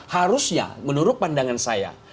harusnya menurut pandangan saya